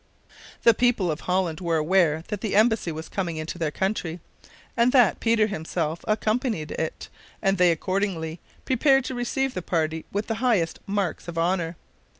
] The people of Holland were aware that the embassy was coming into their country, and that Peter himself accompanied it, and they accordingly prepared to receive the party with the highest marks of honor.